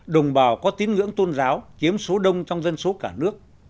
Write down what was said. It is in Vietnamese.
đồng bào có tiếng ngưỡng tôn giáo kiếm số đông trong dân số cả nước